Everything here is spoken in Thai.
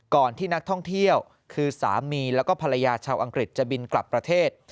ที่นักท่องเที่ยวคือสามีแล้วก็ภรรยาชาวอังกฤษจะบินกลับประเทศ